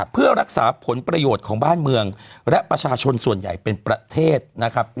เพื่อรักษาผลประโยชน์ของบ้านเมืองและประชาชนส่วนใหญ่เป็นประเทศนะครับ